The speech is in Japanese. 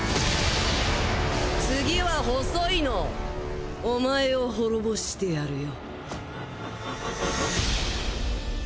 次は細いのお前を滅ぼしてやるよ。